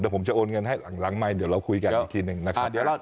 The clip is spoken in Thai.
ผมจะโอนเงินให้หลังไมค์เดี๋ยวเราคุยกันอีกทีหนึ่งนะครับ